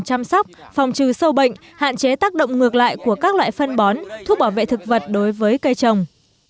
chăm sóc phòng trừ sâu bệnh hạn chế tác động ngược lại của các loại phân bón thuốc bảo vệ thực vật đối với cây trồng